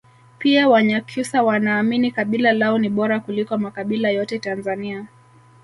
pia wanyakyusa Wanaamini kabila lao ni bora kuliko makabila yote Tanzania